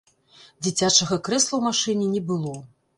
Дзіцячага крэсла ў машыне не было.